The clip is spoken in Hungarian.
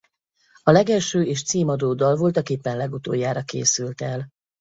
A legelső és címadó dal voltaképpen legutoljára készült el.